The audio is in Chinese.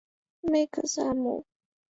梅克赛姆。